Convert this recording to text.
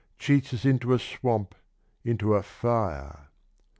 Cheats us into a swamp, into a fire.